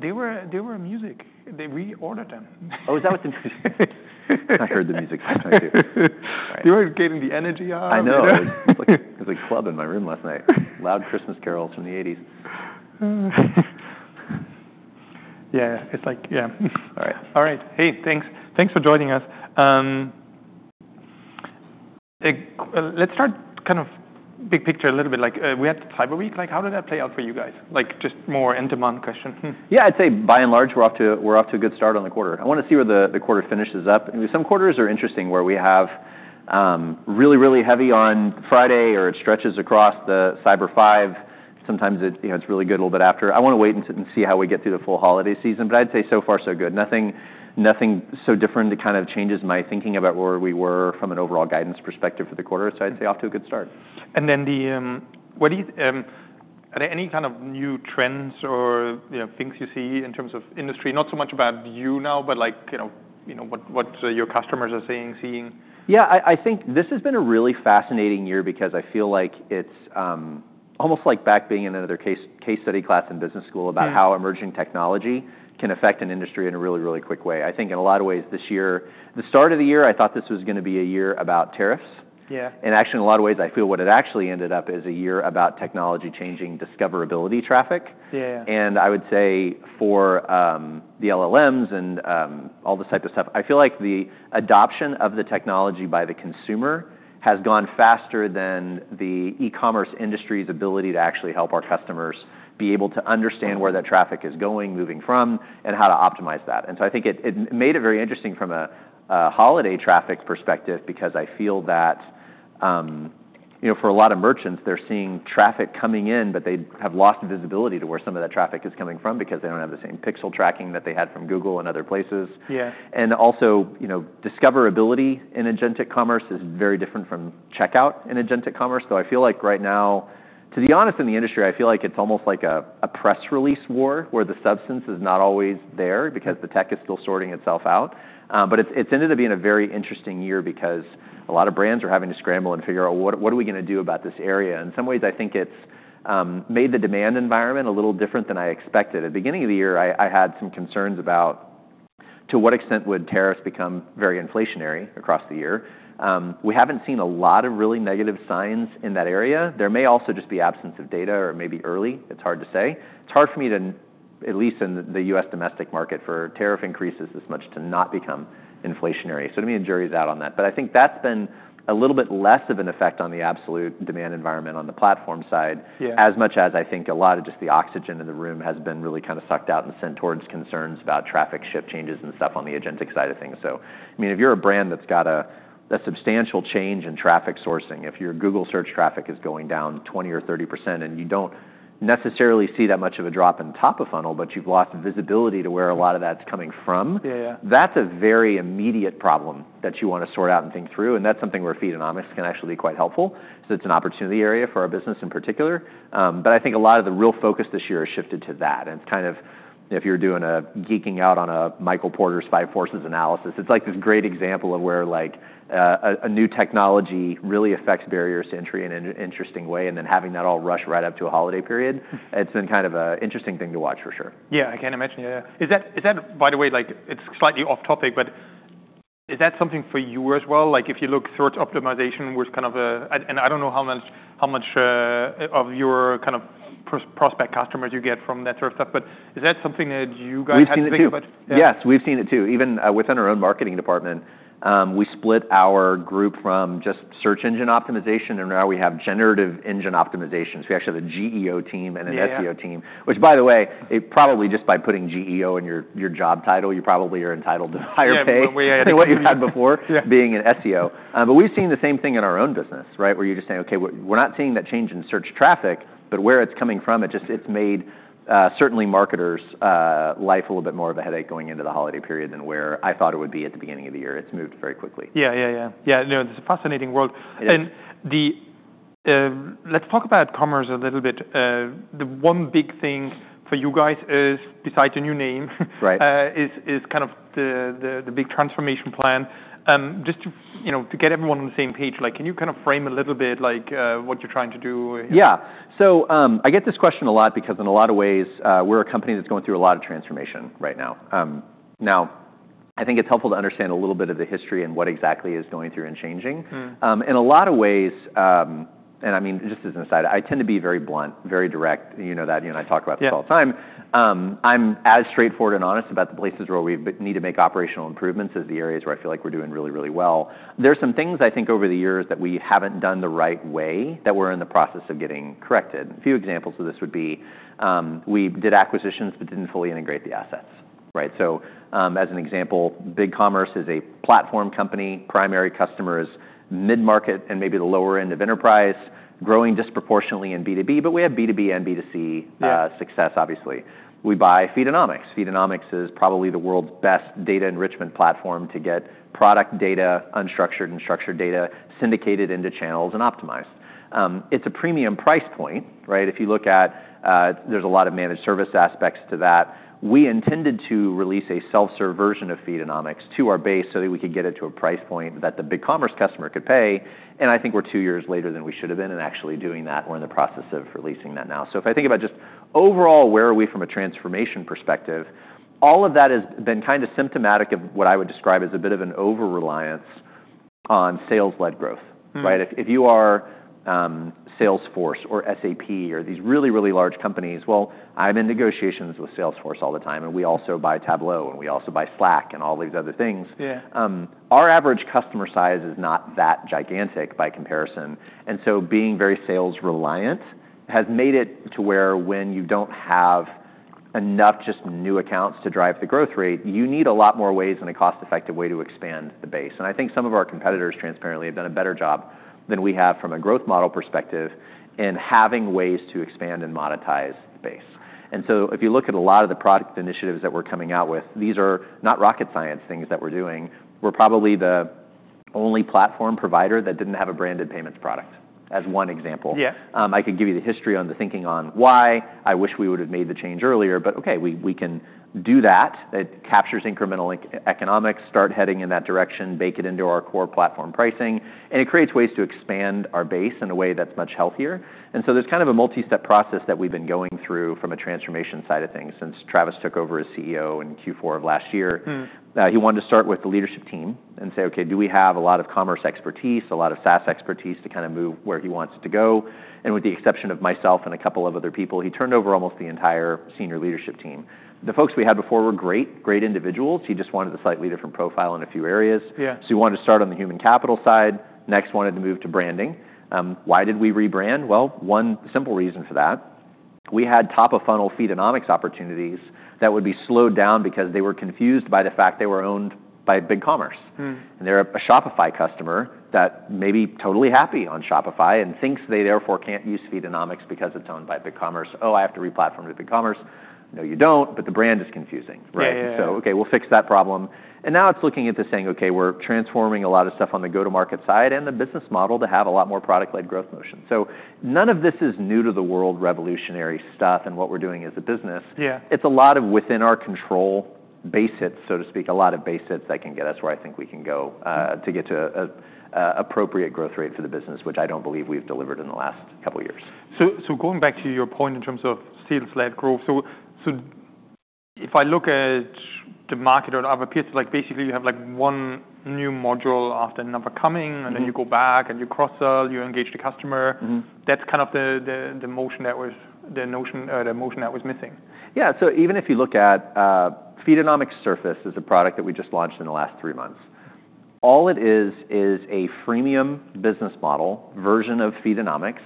They were in music. They reordered them. Oh, is that what the music? I heard the music. They were getting the energy out. I know. It was a club in my room last night. Loud Christmas carols from the 1980s. Yeah, it's like, yeah. All right. All right. Hey, thanks. Thanks for joining us. Let's start kind of big picture a little bit. We had the Cyber Week. How did that play out for you guys? Just more end-to-month question. Yeah, I'd say by and large, we're off to a good start on the quarter. I want to see where the quarter finishes up. Some quarters are interesting where we have really, really heavy on Friday or it stretches across the Cyber Five. Sometimes it's really good a little bit after. I want to wait and see how we get through the full holiday season. But I'd say so far, so good. Nothing so different that kind of changes my thinking about where we were from an overall guidance perspective for the quarter. So I'd say off to a good start. And then are there any kind of new trends or things you see in terms of industry? Not so much about you now, but what your customers are seeing. Yeah, I think this has been a really fascinating year because I feel like it's almost like back being in another case study class in business school about how emerging technology can affect an industry in a really, really quick way. I think in a lot of ways this year, the start of the year, I thought this was going to be a year about tariffs. And actually, in a lot of ways, I feel what it actually ended up is a year about technology changing discoverability traffic. And I would say for the LLMs and all this type of stuff, I feel like the adoption of the technology by the consumer has gone faster than the e-commerce industry's ability to actually help our customers be able to understand where that traffic is going, moving from, and how to optimize that. And so I think it made it very interesting from a holiday traffic perspective because I feel that for a lot of merchants, they're seeing traffic coming in, but they have lost visibility to where some of that traffic is coming from because they don't have the same pixel tracking that they had from Google and other places. And also, discoverability in agentic commerce is very different from checkout in agentic commerce. So I feel like right now, to be honest, in the industry, I feel like it's almost like a press release war where the substance is not always there because the tech is still sorting itself out. But it's ended up being a very interesting year because a lot of brands are having to scramble and figure out what are we going to do about this area. In some ways, I think it's made the demand environment a little different than I expected. At the beginning of the year, I had some concerns about to what extent would tariffs become very inflationary across the year. We haven't seen a lot of really negative signs in that area. There may also just be absence of data or maybe early. It's hard to say. It's hard for me to, at least in the U.S. domestic market, for tariff increases this much to not become inflationary, so to me, the jury's out on that. But I think that's been a little bit less of an effect on the absolute demand environment on the platform side as much as I think a lot of just the oxygen in the room has been really kind of sucked out and sent towards concerns about traffic shift changes and stuff on the agentic side of things. So I mean, if you're a brand that's got a substantial change in traffic sourcing, if your Google Search traffic is going down 20% or 30% and you don't necessarily see that much of a drop in top of funnel, but you've lost visibility to where a lot of that's coming from, that's a very immediate problem that you want to sort out and think through. And that's something where Feedonomics can actually be quite helpful because it's an opportunity area for our business in particular. But I think a lot of the real focus this year has shifted to that. And it's kind of if you're geeking out on a Michael Porter's Five Forces analysis, it's like this great example of where a new technology really affects barriers to entry in an interesting way and then having that all rush right up to a holiday period. It's been kind of an interesting thing to watch for sure. Yeah, I can imagine. Yeah, yeah. Is that, by the way, it's slightly off topic, but is that something for you as well? If you look search optimization, which kind of, and I don't know how much of your kind of prospect customers you get from that sort of stuff, but is that something that you guys have to think about? Yes, we've seen it too. Even within our own marketing department, we split our group from just search engine optimization, and now we have generative engine optimization. So we actually have a GEO team and an SEO team, which, by the way, probably just by putting GEO in your job title, you probably are entitled to higher pay than what you had before being an SEO. But we've seen the same thing in our own business, right, where you're just saying, "OK, we're not seeing that change in search traffic, but where it's coming from, it's made certainly marketers' life a little bit more of a headache going into the holiday period than where I thought it would be at the beginning of the year." It's moved very quickly. Yeah, yeah, yeah. Yeah, no, it's a fascinating world. And let's talk about commerce a little bit. The one big thing for you guys is, besides a new name, is kind of the big transformation plan. Just to get everyone on the same page, can you kind of frame a little bit what you're trying to do? Yeah. So I get this question a lot because in a lot of ways, we're a company that's going through a lot of transformation right now. Now, I think it's helpful to understand a little bit of the history and what exactly is going through and changing. In a lot of ways, and I mean, just as an aside, I tend to be very blunt, very direct. You know that. You and I talk about this all the time. I'm as straightforward and honest about the places where we need to make operational improvements as the areas where I feel like we're doing really, really well. There are some things I think over the years that we haven't done the right way that we're in the process of getting corrected. A few examples of this would be we did acquisitions but didn't fully integrate the assets. So as an example, BigCommerce is a platform company. Primary customer is mid-market and maybe the lower end of enterprise, growing disproportionately in B2B, but we have B2B and B2C success, obviously. We buy Feedonomics. Feedonomics is probably the world's best data enrichment platform to get product data, unstructured and structured data, syndicated into channels and optimized. It's a premium price point. If you look at, there's a lot of managed service aspects to that. We intended to release a self-serve version of Feedonomics to our base so that we could get it to a price point that the BigCommerce customer could pay. And I think we're two years later than we should have been in actually doing that. We're in the process of releasing that now. So if I think about just overall, where are we from a transformation perspective, all of that has been kind of symptomatic of what I would describe as a bit of an over-reliance on sales-led growth. If you are Salesforce or SAP or these really, really large companies, well, I'm in negotiations with Salesforce all the time. And we also buy Tableau. And we also buy Slack and all these other things. Our average customer size is not that gigantic by comparison. And so being very sales reliant has made it to where when you don't have enough just new accounts to drive the growth rate, you need a lot more ways and a cost-effective way to expand the base. And I think some of our competitors, transparently, have done a better job than we have from a growth model perspective in having ways to expand and monetize the base. And so if you look at a lot of the product initiatives that we're coming out with, these are not rocket science things that we're doing. We're probably the only platform provider that didn't have a branded payments product, as one example. I could give you the history on the thinking on why I wish we would have made the change earlier. But OK, we can do that. It captures incremental economics, start heading in that direction, bake it into our core platform pricing. And it creates ways to expand our base in a way that's much healthier. And so there's kind of a multi-step process that we've been going through from a transformation side of things since Travis took over as CEO in Q4 of last year. He wanted to start with the leadership team and say, "OK, do we have a lot of commerce expertise, a lot of SaaS expertise to kind of move where he wants it to go?" and with the exception of myself and a couple of other people, he turned over almost the entire senior leadership team. The folks we had before were great, great individuals. He just wanted a slightly different profile in a few areas, so he wanted to start on the human capital side. Next, wanted to move to branding. Why did we rebrand? Well, one simple reason for that. We had top of funnel Feedonomics opportunities that would be slowed down because they were confused by the fact they were owned by BigCommerce. And they're a Shopify customer that may be totally happy on Shopify and thinks they therefore can't use Feedonomics because it's owned by BigCommerce. Oh, I have to replatform to BigCommerce. No, you don't, but the brand is confusing. So OK, we'll fix that problem. And now it's looking at this saying, "OK, we're transforming a lot of stuff on the go-to-market side and the business model to have a lot more product-led growth motion." So none of this is new-to-the-world revolutionary stuff and what we're doing as a business. It's a lot of within our control base hits, so to speak, a lot of base hits that can get us where I think we can go to get to an appropriate growth rate for the business, which I don't believe we've delivered in the last couple of years. So going back to your point in terms of sales-led growth, so if I look at the market or other pieces, basically you have one new module after another coming, and then you go back and you cross-sell, you engage the customer. That's kind of the motion that was missing. Yeah, so even if you look at Feedonomics Surface is a product that we just launched in the last three months. All it is is a freemium business model version of Feedonomics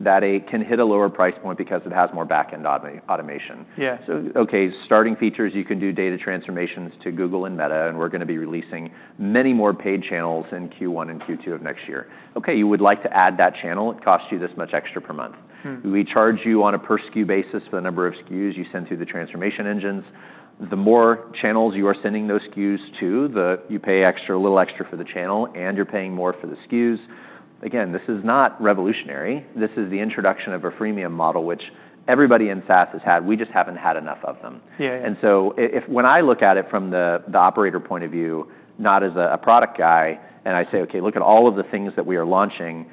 that can hit a lower price point because it has more back-end automation. So okay, starting features, you can do data transformations to Google and Meta, and we're going to be releasing many more paid channels in Q1 and Q2 of next year. Okay, you would like to add that channel. It costs you this much extra per month. We charge you on a per SKU basis for the number of SKUs you send through the transformation engines. The more channels you are sending those SKUs to, you pay a little extra for the channel, and you're paying more for the SKUs. Again, this is not revolutionary. This is the introduction of a freemium model, which everybody in SaaS has had. We just haven't had enough of them. And so when I look at it from the operator point of view, not as a product guy, and I say, "OK, look at all of the things that we are launching."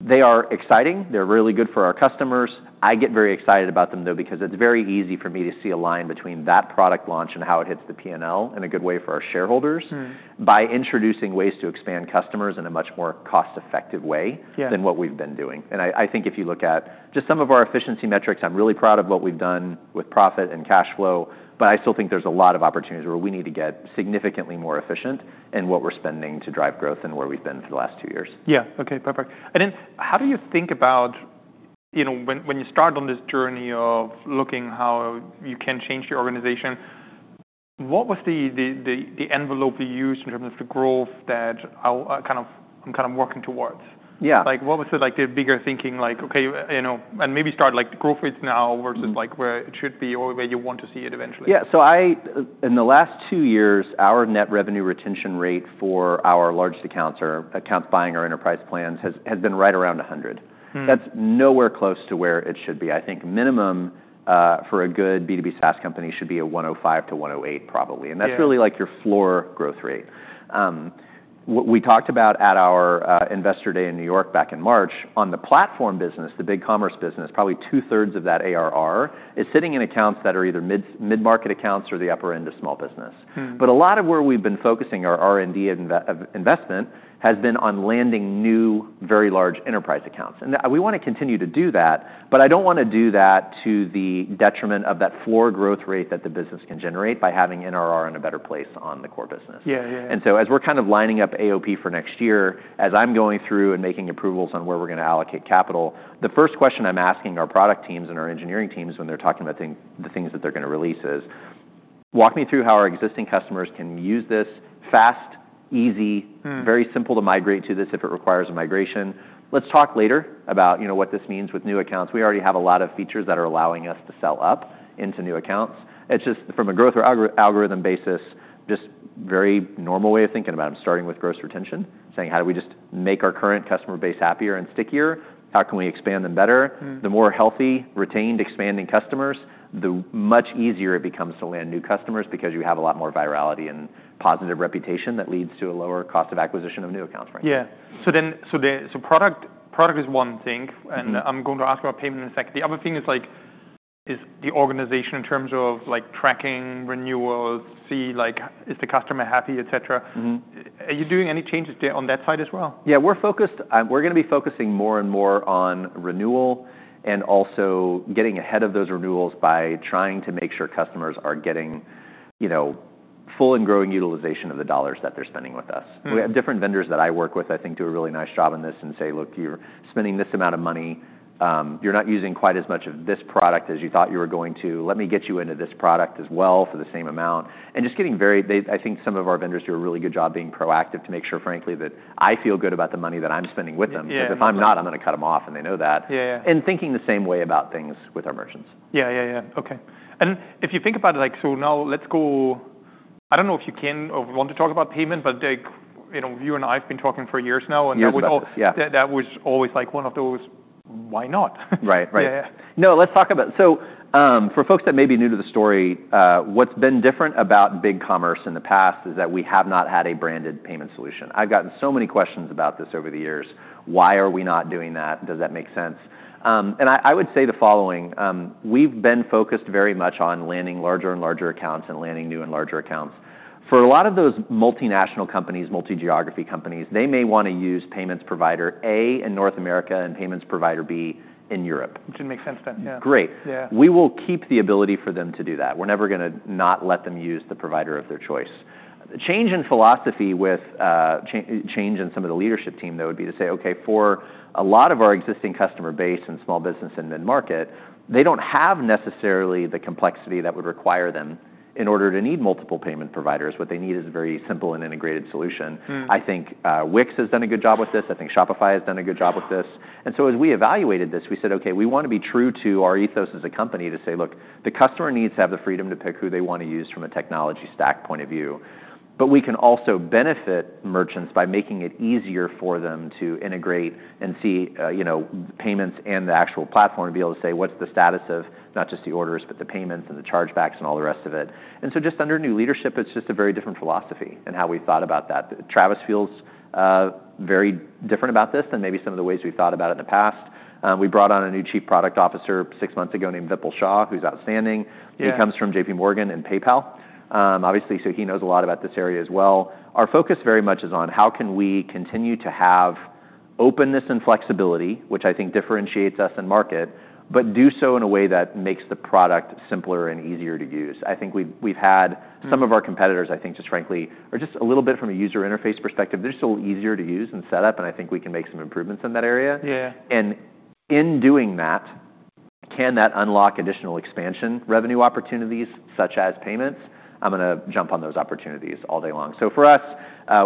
They are exciting. They're really good for our customers. I get very excited about them, though, because it's very easy for me to see a line between that product launch and how it hits the P&L in a good way for our shareholders by introducing ways to expand customers in a much more cost-effective way than what we've been doing. And I think if you look at just some of our efficiency metrics, I'm really proud of what we've done with profit and cash flow. But I still think there's a lot of opportunities where we need to get significantly more efficient in what we're spending to drive growth and where we've been for the last two years. Yeah, OK, perfect. And then how do you think about when you start on this journey of looking how you can change your organization? What was the envelope you used in terms of the growth that I'm kind of working towards? Yeah, what was the bigger thinking, like, "OK," and maybe start like growth rates now versus where it should be or where you want to see it eventually? Yeah, so in the last two years, our net revenue retention rate for our largest accounts, or accounts buying our enterprise plans, has been right around 100%. That's nowhere close to where it should be. I think minimum for a good B2B SaaS company should be 105%-108%, probably, and that's really like your floor growth rate. What we talked about at our Investor Day in New York back in March on the platform business, the BigCommerce business, probably 2/3 of that ARR is sitting in accounts that are either mid-market accounts or the upper end of small business, but a lot of where we've been focusing our R&D investment has been on landing new, very large enterprise accounts. And we want to continue to do that, but I don't want to do that to the detriment of that floor growth rate that the business can generate by having NRR in a better place on the core business. And so as we're kind of lining up AOP for next year, as I'm going through and making approvals on where we're going to allocate capital, the first question I'm asking our product teams and our engineering teams when they're talking about the things that they're going to release is, "Walk me through how our existing customers can use this fast, easy, very simple to migrate to this if it requires a migration?" Let's talk later about what this means with new accounts. We already have a lot of features that are allowing us to sell up into new accounts. It's just from a growth or algorithmic basis, just very normal way of thinking about it. I'm starting with gross retention, saying, "How do we just make our current customer base happier and stickier? How can we expand them better?" The more healthy, retained, expanding customers, the much easier it becomes to land new customers because you have a lot more virality and positive reputation that leads to a lower cost of acquisition of new accounts, frankly. Yeah, so product is one thing. And I'm going to ask about payment, in fact. The other thing is the organization in terms of tracking renewals, see, is the customer happy, et cetera. Are you doing any changes on that side as well? Yeah, we're going to be focusing more and more on renewal and also getting ahead of those renewals by trying to make sure customers are getting full and growing utilization of the dollars that they're spending with us. We have different vendors that I work with, I think, do a really nice job on this and say, "Look, you're spending this amount of money. You're not using quite as much of this product as you thought you were going to. Let me get you into this product as well for the same amount." And just getting very, I think some of our vendors do a really good job being proactive to make sure, frankly, that I feel good about the money that I'm spending with them. Because if I'm not, I'm going to cut them off, and they know that. And thinking the same way about things with our merchants. Yeah, yeah, yeah. OK. And if you think about it, so now let's go. I don't know if you can or want to talk about payment, but you and I have been talking for years now. And that was always like one of those, "Why not? Right, right. No, let's talk about, so for folks that may be new to the story, what's been different about BigCommerce in the past is that we have not had a branded payment solution. I've gotten so many questions about this over the years. Why are we not doing that? Does that make sense, and I would say the following. We've been focused very much on landing larger and larger accounts and landing new and larger accounts. For a lot of those multinational companies, multi-geography companies, they may want to use payments provider A in North America and payments provider B in Europe. Which makes sense then. Yeah. Great. We will keep the ability for them to do that. We're never going to not let them use the provider of their choice. Change in philosophy with change in some of the leadership team, though, would be to say, "OK, for a lot of our existing customer base and small business in mid-market, they don't have necessarily the complexity that would require them in order to need multiple payment providers. What they need is a very simple and integrated solution." I think Wix has done a good job with this. I think Shopify has done a good job with this. And so as we evaluated this, we said, "OK, we want to be true to our ethos as a company to say, look, the customer needs to have the freedom to pick who they want to use from a technology stack point of view. But we can also benefit merchants by making it easier for them to integrate and see payments and the actual platform to be able to say, what's the status of not just the orders, but the payments and the chargebacks and all the rest of it?" And so just under new leadership, it's just a very different philosophy in how we've thought about that. Travis feels very different about this than maybe some of the ways we've thought about it in the past. We brought on a new Chief Product Officer six months ago named Vipul Shah, who's outstanding. He comes from JPMorgan and PayPal, obviously, so he knows a lot about this area as well. Our focus very much is on how can we continue to have openness and flexibility, which I think differentiates us in market, but do so in a way that makes the product simpler and easier to use. I think we've had some of our competitors, I think, just frankly are just a little bit from a user interface perspective. They're still easier to use and set up, and I think we can make some improvements in that area, and in doing that, can that unlock additional expansion revenue opportunities, such as payments? I'm going to jump on those opportunities all day long. For us,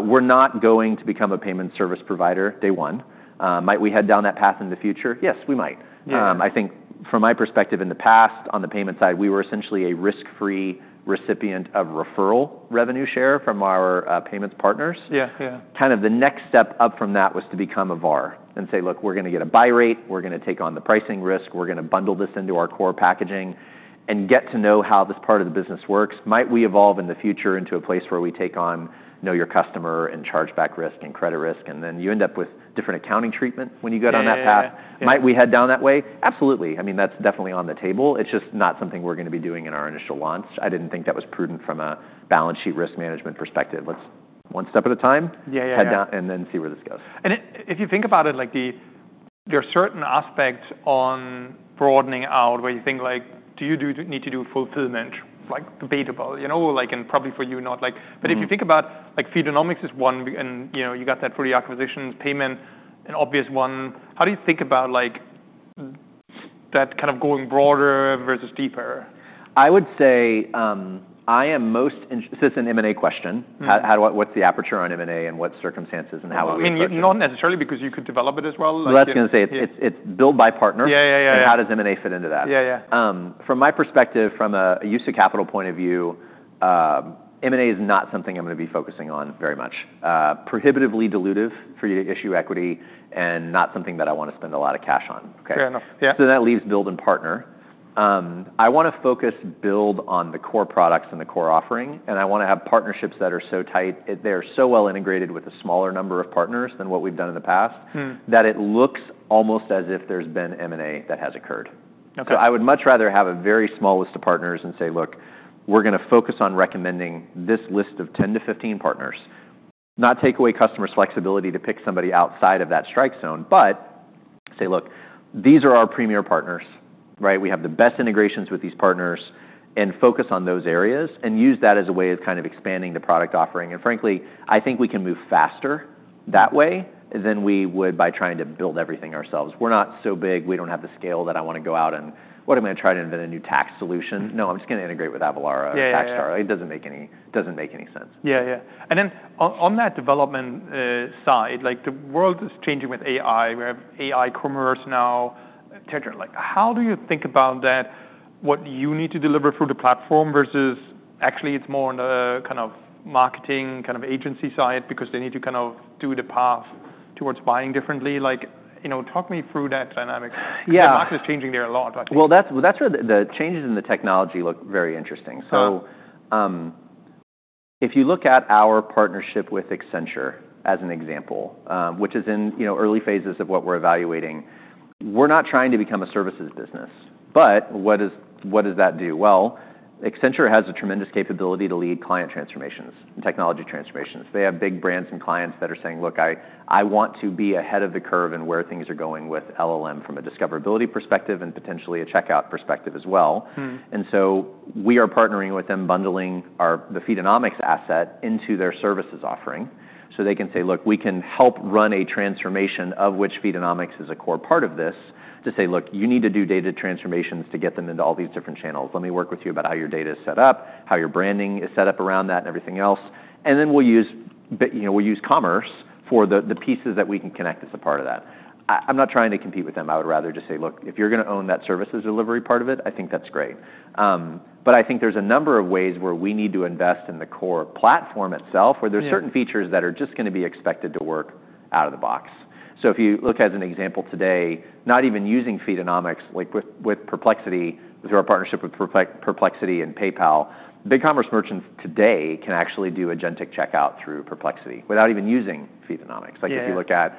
we're not going to become a payment service provider day one. Might we head down that path in the future? Yes, we might. I think from my perspective in the past, on the payment side, we were essentially a risk-free recipient of referral revenue share from our payments partners. Kind of the next step up from that was to become a VAR and say, "Look, we're going to get a buy rate. We're going to take on the pricing risk. We're going to bundle this into our core packaging and get to know how this part of the business works. Might we evolve in the future into a place where we take on your customer and chargeback risk and credit risk?", and then you end up with different accounting treatment when you go down that path. Might we head down that way? Absolutely. I mean, that's definitely on the table. It's just not something we're going to be doing in our initial launch. I didn't think that was prudent from a balance sheet risk management perspective. Let's one step at a time head down and then see where this goes. If you think about it, there are certain aspects on broadening out where you think, do you need to do fulfillment, like debatable, and probably for you not. But if you think about Feedonomics is one, and you got that for the acquisitions. Payment, an obvious one. How do you think about that kind of going broader versus deeper? I would say, this is an M&A question. What's the aperture on M&A and what circumstances and how we would do that? I mean, not necessarily because you could develop it as well. That's what I was going to say. It's built by partner. How does M&A fit into that? Yeah, yeah. From my perspective, from a use of capital point of view, M&A is not something I'm going to be focusing on very much. Prohibitively dilutive for you to issue equity and not something that I want to spend a lot of cash on. That leaves build and partner. I want to focus build on the core products and the core offering. I want to have partnerships that are so tight, they're so well integrated with a smaller number of partners than what we've done in the past, that it looks almost as if there's been M&A that has occurred. I would much rather have a very small list of partners and say, "Look, we're going to focus on recommending this list of 10-15 partners." Not take away customer's flexibility to pick somebody outside of that strike zone, but say, "Look, these are our premier partners. We have the best integrations with these partners." And focus on those areas and use that as a way of kind of expanding the product offering. And frankly, I think we can move faster that way than we would by trying to build everything ourselves. We're not so big. We don't have the scale that I want to go out and, "What am I going to try to invent a new tax solution?" No, I'm just going to integrate with Avalara or TaxJar. It doesn't make any sense. Yeah, yeah. And then on that development side, the world is changing with AI. We have aiCommerce now. How do you think about that, what you need to deliver through the platform versus actually it's more on the kind of marketing kind of agency side because they need to kind of do the path towards buying differently? Talk me through that dynamic. The market is changing there a lot, I think. That's where the changes in the technology look very interesting. If you look at our partnership with Accenture as an example, which is in early phases of what we're evaluating, we're not trying to become a services business. What does that do? Accenture has a tremendous capability to lead client transformations and technology transformations. They have big brands and clients that are saying, "Look, I want to be ahead of the curve in where things are going with LLM from a discoverability perspective and potentially a checkout perspective as well." We are partnering with them, bundling the Feedonomics asset into their services offering. They can say, "Look, we can help run a transformation of which Feedonomics is a core part of this to say, 'Look, you need to do data transformations to get them into all these different channels.' Let me work with you about how your data is set up, how your branding is set up around that and everything else." And then we'll use BigCommerce for the pieces that we can connect as a part of that. I'm not trying to compete with them. I would rather just say, "Look, if you're going to own that services delivery part of it, I think that's great." But I think there's a number of ways where we need to invest in the core platform itself, where there are certain features that are just going to be expected to work out of the box. So if you look as an example today, not even using Feedonomics, like with Perplexity, through our partnership with Perplexity and PayPal, BigCommerce merchants today can actually do agentic checkout through Perplexity without even using Feedonomics. Like if you look at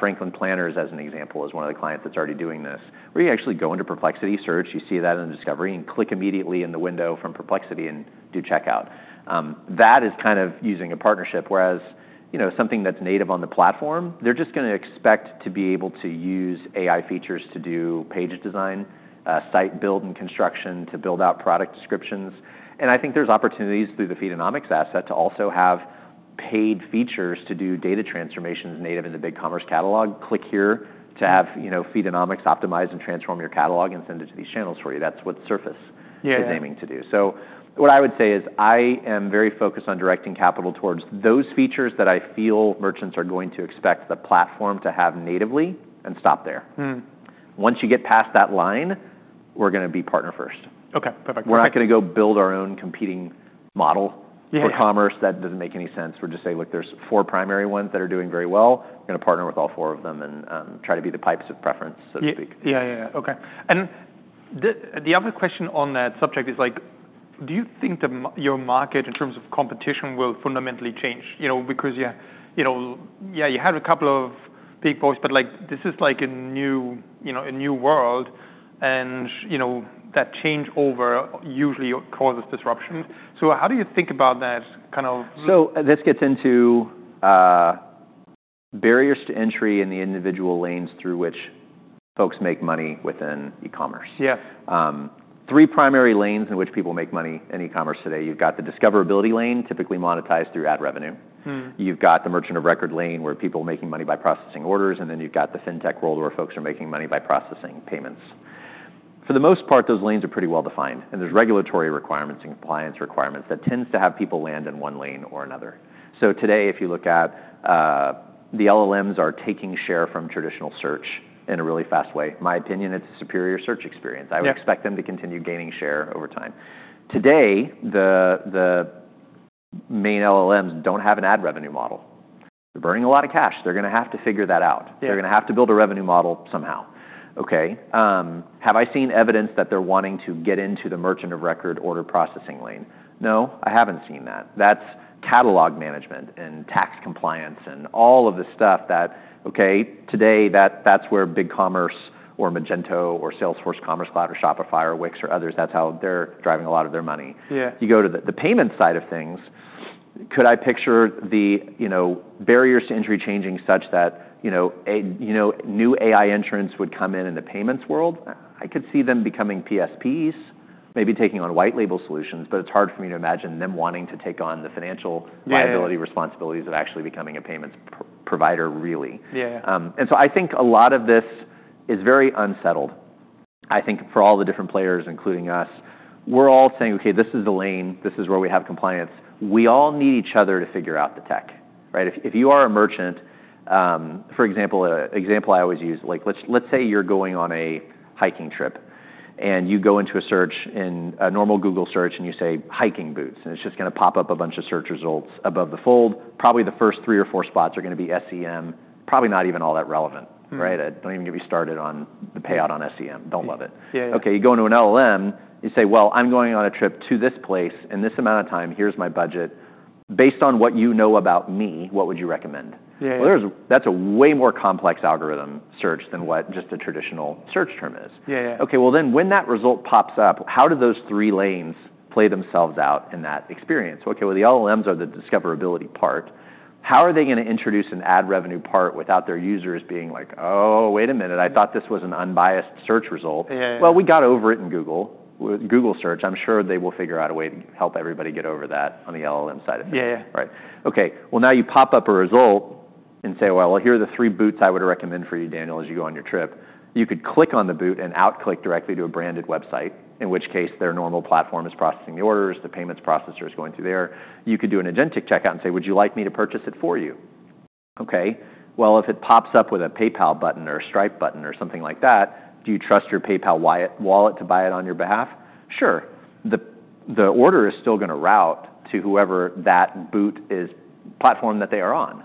Franklin Planners as an example, as one of the clients that's already doing this, where you actually go into Perplexity, search, you see that in the discovery, and click immediately in the window from Perplexity and do checkout. That is kind of using a partnership. Whereas something that's native on the platform, they're just going to expect to be able to use AI features to do page design, site build and construction, to build out product descriptions. And I think there's opportunities through the Feedonomics asset to also have paid features to do data transformations native in the BigCommerce catalog. Click here to have Feedonomics optimize and transform your catalog and send it to these channels for you. That's what Surface is aiming to do. What I would say is I am very focused on directing capital towards those features that I feel merchants are going to expect the platform to have natively and stop there. Once you get past that line, we're going to be partner first. OK, perfect. We're not going to go build our own competing model for commerce. That doesn't make any sense. We'll just say, "Look, there's four primary ones that are doing very well. We're going to partner with all four of them and try to be the pipes of preference, so to speak. Yeah, yeah, yeah. OK. And the other question on that subject is, do you think your market in terms of competition will fundamentally change? Because yeah, you had a couple of big voices, but this is like a new world. And that changeover usually causes disruption. So how do you think about that kind of? So this gets into barriers to entry in the individual lanes through which folks make money within e-commerce. Yeah, three primary lanes in which people make money in e-commerce today. You've got the discoverability lane, typically monetized through ad revenue. You've got the Merchant of Record lane where people are making money by processing orders. And then you've got the fintech world where folks are making money by processing payments. For the most part, those lanes are pretty well defined. And there's regulatory requirements and compliance requirements that tend to have people land in one lane or another. So today, if you look at the LLMs, they are taking share from traditional search in a really fast way. In my opinion, it's a superior search experience. I would expect them to continue gaining share over time. Today, the main LLMs don't have an ad revenue model. They're burning a lot of cash. They're going to have to figure that out. They're going to have to build a revenue model somehow. OK, have I seen evidence that they're wanting to get into the Merchant of Record order processing lane? No, I haven't seen that. That's catalog management and tax compliance and all of the stuff that, OK, today, that's where BigCommerce or Magento or Salesforce Commerce Cloud or Shopify or Wix or others, that's how they're driving a lot of their money. You go to the payment side of things, could I picture the barriers to entry changing such that new AI entrants would come in in the payments world? I could see them becoming PSPs, maybe taking on white label solutions. But it's hard for me to imagine them wanting to take on the financial liability responsibilities of actually becoming a payments provider, really. And so I think a lot of this is very unsettled. I think for all the different players, including us, we're all saying, "OK, this is the lane. This is where we have compliance." We all need each other to figure out the tech. If you are a merchant, for example, an example I always use, let's say you're going on a hiking trip and you go into a search in a normal Google Search and you say, "hiking boots," and it's just going to pop up a bunch of search results above the fold. Probably the first three or four spots are going to be SEM, probably not even all that relevant. I don't even get me started on the payout on SEM. Don't love it. OK, you go into an LLM, you say, "Well, I'm going on a trip to this place in this amount of time. Here's my budget. Based on what you know about me, what would you recommend?" That's a way more complex algorithm search than what just a traditional search term is. OK, well, then when that result pops up, how do those three lanes play themselves out in that experience? OK, well, the LLMs are the discoverability part. How are they going to introduce an ad revenue part without their users being like, "Oh, wait a minute. I thought this was an unbiased search result." Well, we got over it in Google Search. I'm sure they will figure out a way to help everybody get over that on the LLM side of things. OK, well, now you pop up a result and say, "Well, here are the three boots I would recommend for you, Daniel, as you go on your trip." You could click on the boot and outclick directly to a branded website, in which case their normal platform is processing the orders. The payments processor is going through there. You could do an agentic checkout and say, "Would you like me to purchase it for you?" OK, well, if it pops up with a PayPal button or a Stripe button or something like that, do you trust your PayPal wallet to buy it on your behalf? Sure. The order is still going to route to whoever that boot's platform that they are on.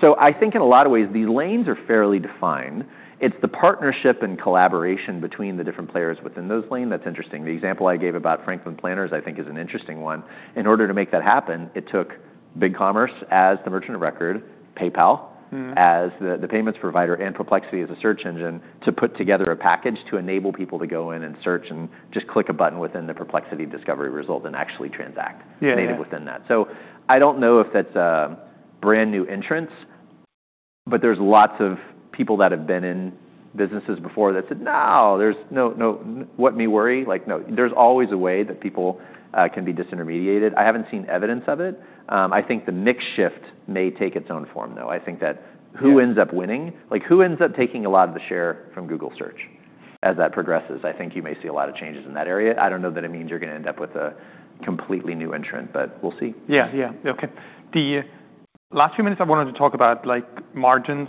So I think in a lot of ways, these lanes are fairly defined. It's the partnership and collaboration between the different players within those lanes that's interesting. The example I gave about Franklin Planners, I think, is an interesting one. In order to make that happen, it took BigCommerce as the merchant of record, PayPal as the payments provider, and Perplexity as a search engine to put together a package to enable people to go in and search and just click a button within Perplexity discovery result and actually transact native within that. So I don't know if that's a brand new entrance, but there's lots of people that have been in businesses before that said, "No, there's no what me worry." There's always a way that people can be disintermediated. I haven't seen evidence of it. I think the mix shift may take its own form, though. I think that who ends up winning? Who ends up taking a lot of the share from Google Search as that progresses? I think you may see a lot of changes in that area. I don't know that it means you're going to end up with a completely new entrant, but we'll see. Yeah, yeah. OK. The last few minutes, I wanted to talk about margins.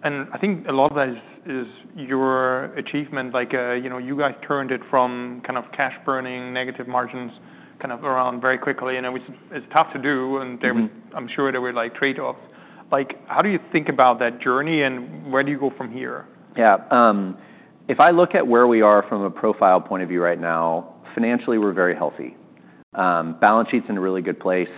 And I think a lot of that is your achievement. You guys turned it from kind of cash burning, negative margins kind of around very quickly. And it was tough to do. And I'm sure there were trade-offs. How do you think about that journey? And where do you go from here? Yeah, if I look at where we are from a profile point of view right now, financially, we're very healthy. Balance sheet's in a really good place.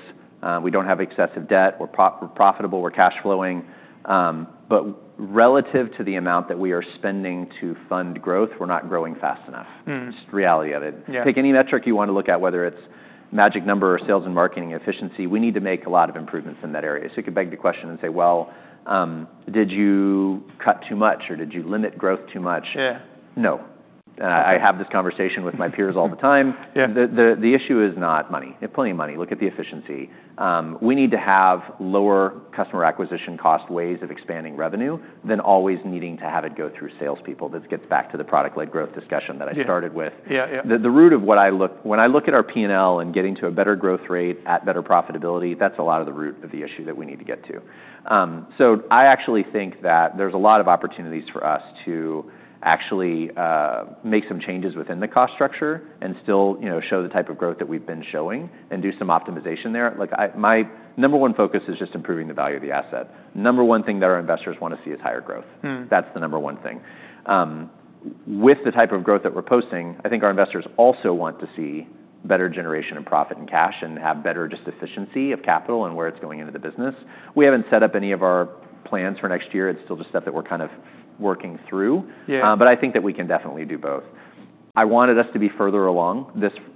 We don't have excessive debt. We're profitable. We're cash flowing. But relative to the amount that we are spending to fund growth, we're not growing fast enough. It's the reality of it. Take any metric you want to look at, whether it's magic number or sales and marketing efficiency, we need to make a lot of improvements in that area. So you could beg the question and say, "Well, did you cut too much? Or did you limit growth too much?" Yeah. No. I have this conversation with my peers all the time. The issue is not money. Plenty of money. Look at the efficiency. We need to have lower customer acquisition cost ways of expanding revenue than always needing to have it go through salespeople. This gets back to the product-led growth discussion that I started with. The root of what I look when I look at our P&L and getting to a better growth rate at better profitability, that's a lot of the root of the issue that we need to get to. So I actually think that there's a lot of opportunities for us to actually make some changes within the cost structure and still show the type of growth that we've been showing and do some optimization there. My number one focus is just improving the value of the asset. The number one thing that our investors want to see is higher growth. That's the number one thing. With the type of growth that we're posting, I think our investors also want to see better generation of profit and cash and have better just efficiency of capital and where it's going into the business. We haven't set up any of our plans for next year. It's still just stuff that we're kind of working through, but I think that we can definitely do both. I wanted us to be further along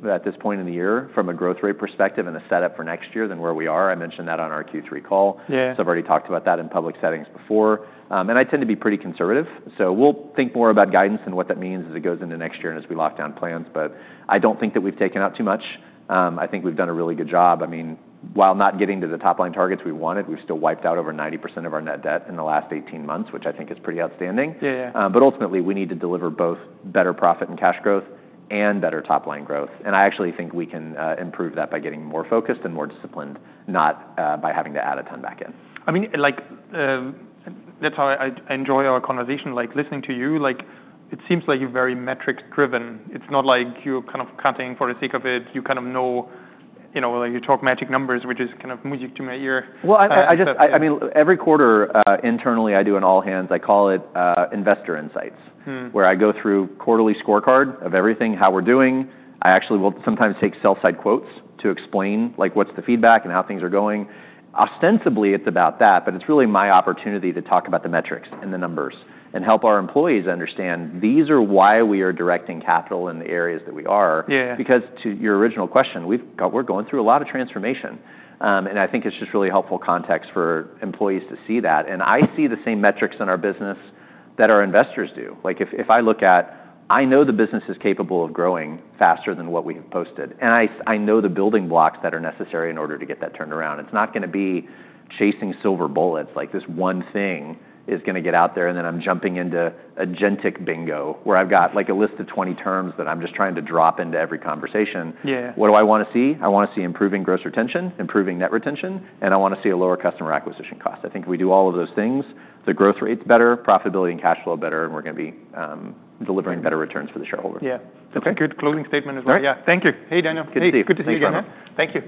at this point in the year from a growth rate perspective and a setup for next year than where we are. I mentioned that on our Q3 call, so I've already talked about that in public settings before, and I tend to be pretty conservative, so we'll think more about guidance and what that means as it goes into next year and as we lock down plans, but I don't think that we've taken out too much. I think we've done a really good job. I mean, while not getting to the top line targets we wanted, we've still wiped out over 90% of our net debt in the last 18 months, which I think is pretty outstanding. But ultimately, we need to deliver both better profit and cash growth and better top line growth. And I actually think we can improve that by getting more focused and more disciplined, not by having to add a ton back in. I mean, that's how I enjoy our conversation, listening to you. It seems like you're very metric-driven. It's not like you're kind of cutting for the sake of it. You kind of know you talk magic numbers, which is kind of music to my ear. I mean, every quarter, internally, I do an all-hands. I call it Investor Insights, where I go through quarterly scorecard of everything, how we're doing. I actually will sometimes take sell-side quotes to explain what's the feedback and how things are going. Ostensibly, it's about that. It's really my opportunity to talk about the metrics and the numbers and help our employees understand these are why we are directing capital in the areas that we are. Because to your original question, we're going through a lot of transformation. I think it's just really helpful context for employees to see that. I see the same metrics in our business that our investors do. If I look at, I know the business is capable of growing faster than what we have posted. I know the building blocks that are necessary in order to get that turned around. It's not going to be chasing silver bullets. This one thing is going to get out there, and then I'm jumping into agentic bingo where I've got a list of 20 terms that I'm just trying to drop into every conversation. What do I want to see? I want to see improving gross retention, improving net retention. And I want to see a lower customer acquisition cost. I think if we do all of those things, the growth rate's better, profitability and cash flow better, and we're going to be delivering better returns for the shareholders. Yeah, that's a good closing statement as well. Yeah, thank you. Hey, Daniel. Good to see you. Thank you.